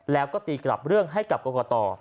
แล้วก็ตีกลับเรื่องให้กับกรกต